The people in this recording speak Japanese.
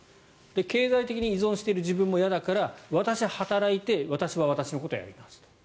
経済的に依存している自分も嫌だから私、働いて私は私のことをやりますと。